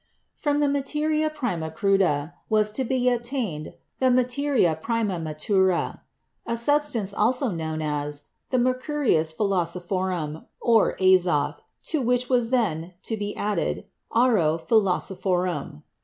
From the "materia prima cruda" was to be obtained the "materia prima matura," a substance also known as the "mercurius philosophorum," or "azoth," to which was then to be added "auro philosophorum."